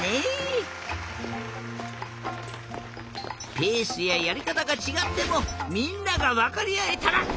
ペースややりかたがちがってもみんながわかりあえたらすてきだよな。